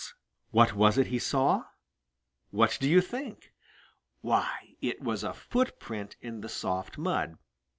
What was it he saw? What do you think? Why, it was a footprint in the soft mud.